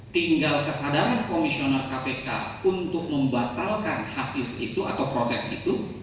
tinggal kesadaran komisioner kpk untuk membatalkan hasil itu atau proses itu